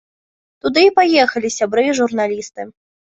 Туды і паехалі сябры і журналісты.